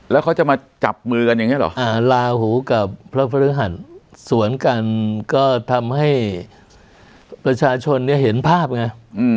แล้วเขาจะมาจับมือกันอย่างนี้เหรอลาหูกับพระพฤหัสสวนกันก็ทำให้ประชาชนเนี่ยเห็นภาพไง